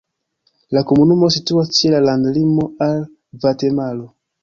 La komunumo situas ĉe la landlimo al Gvatemalo.